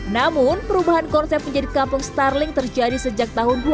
namun perubahan konsep menjadi kampung starling terjadi sejak tahun dua ribu